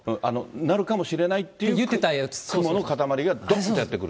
なるかもしれないって言ってた雲の固まりがどんとやって来る